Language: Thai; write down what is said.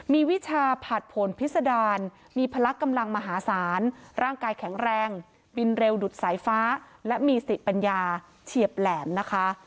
มีวิชาผัดผลพิษดารมีพลักกำลังมหาศาลร่างกายแข็งแรงบินเร็วดุดสายฟ้าและมีสติปัญญาเฉียบแหลมนะคะ